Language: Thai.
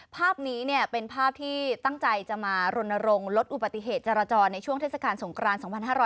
ภาพนี้เป็นภาพที่ตั้งใจจะมารณรงค์ลดอุบัติเหตุจรจรในช่วงเทศกาลสงคราน๒๕๖๐